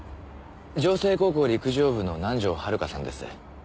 上星高校陸上部の南条遥さんです。